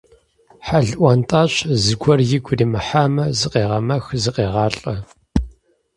Хьэл ӏуэнтӏащ, зыгуэр игу иримыхьамэ зыкъегъэмэх, зыкъегъалӏэ.